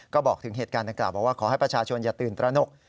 ก็บอกถึงเหตุการณ์ขอให้ประชาชนอย่าตื่นตระหนก